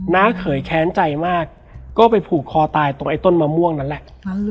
เขยแค้นใจมากก็ไปผูกคอตายตรงไอ้ต้นมะม่วงนั่นแหละ